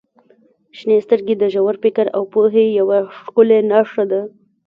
• شنې سترګې د ژور فکر او پوهې یوه ښکلې نښه دي.